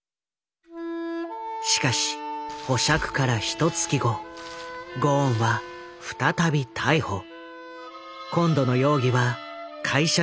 しかし保釈からひとつき後ゴーンは再び逮捕。